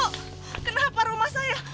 bu kenapa rumah saya